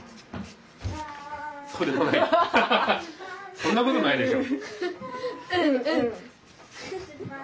そんなことないでしょ。